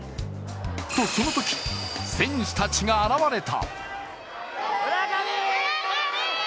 と、そのとき、選手たちが現れた。